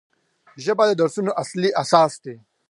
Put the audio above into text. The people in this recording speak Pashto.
ژبه د درسونو اصلي اساس دی